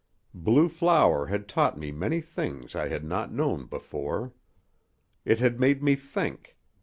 Blue flower had taught me many things I had not known before. It had made me think.